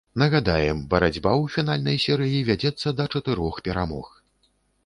Нагадаем, барацьба ў фінальнай серыі вядзецца да чатырох перамог.